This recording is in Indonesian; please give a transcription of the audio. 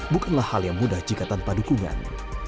bukanlah hal yang mudah jika tanpa dukungan